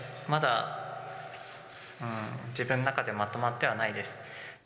まだ、うーん、自分の中でまとまってはないです。